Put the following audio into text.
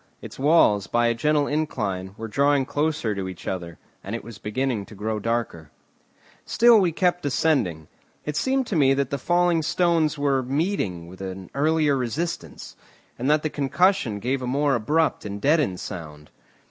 Its walls, by a gentle incline, were drawing closer to each other, and it was beginning to grow darker. Still we kept descending. It seemed to me that the falling stones were meeting with an earlier resistance, and that the concussion gave a more abrupt and deadened sound.